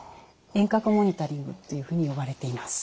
遠隔モニタリングというふうに呼ばれています。